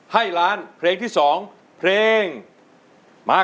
กลับมาเมื่อเวลาที่สุดท้าย